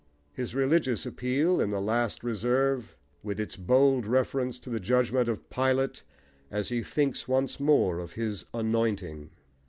his religious appeal in the last reserve, with its bold reference to the judgment of Pilate, as he thinks once more of his "anointing."